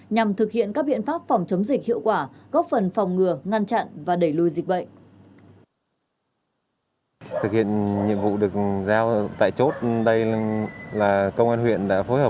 nhằm thực hiện các biện pháp phòng chống dịch hiệu quả góp phần phòng ngừa ngăn chặn và đẩy lùi dịch bệnh